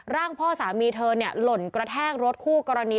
พ่อสามีเธอหล่นกระแทกรถคู่กรณี